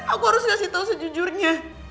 aku harus ngasih tahu secara jujurnya